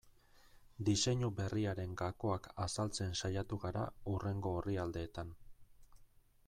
Diseinu berriaren gakoak azaltzen saiatu gara hurrengo orrialdeetan.